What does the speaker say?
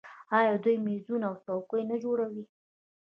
آیا دوی میزونه او څوکۍ نه جوړوي؟